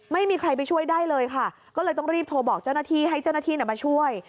ไม่มีใครไปช่วยได้เลยค่ะก็เลยต้องรีบโทรบอกเจ้าหน้าที่ให้เจ้าหน้าที่มาช่วย